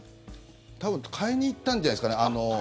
多分、買いに行ったんじゃないですかね。